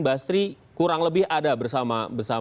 basri kurang lebih ada bersama